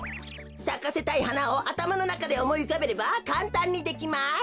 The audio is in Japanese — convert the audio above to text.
さかせたいはなをあたまのなかでおもいうかべればかんたんにできます。